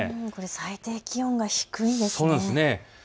最低気温が低いですね。